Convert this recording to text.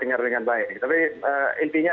dengar dengan baik tapi intinya